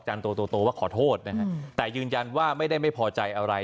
โตโตว่าขอโทษนะฮะแต่ยืนยันว่าไม่ได้ไม่พอใจอะไร